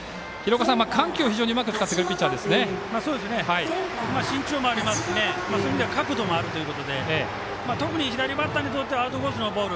緩急をうまく使ってくる身長もありますしそういう意味では角度もあるということで左バッターにとってはアウトコースのボール